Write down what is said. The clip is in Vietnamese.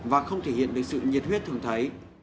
và không thể hiện được sự nhiệt huyết thường thấy